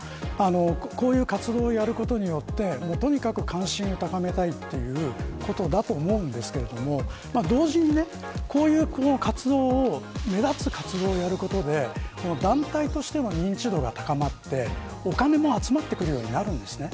こういう活動をやることによってとにかく関心を高めたいということだと思うんですけれども同時に、こういう活動を目立つ活動をやることで団体としての認知度が高まってお金も集まってくるようになるんです。